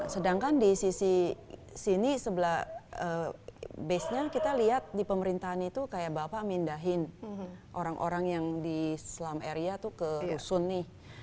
sedangkan di sisi sini sebelah base nya kita lihat di pemerintahan itu kayak bapak mindahin orang orang yang di slam area tuh ke rusun nih